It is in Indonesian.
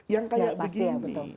yang seperti ini